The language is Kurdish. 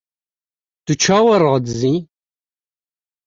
Tu çawa radizî?!